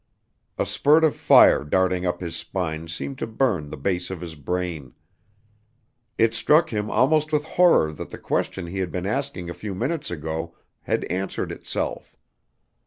A spurt of fire darting up his spine seemed to burn the base of his brain. It struck him almost with horror that the question he had been asking a few minutes ago had answered itself.